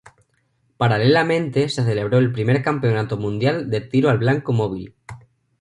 Paralelamente se celebró el I Campeonato Mundial de Tiro al Blanco Móvil.